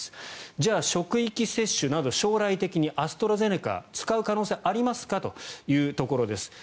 じゃあ、職域接種など将来的にアストラゼネカを使う可能性、ありますかというところです。